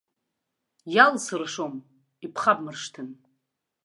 Иалсыршом, ибхабмыршҭын.